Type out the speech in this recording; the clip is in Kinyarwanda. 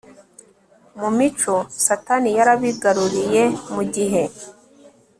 mu mico Satani yarabigaruriye Mu gihe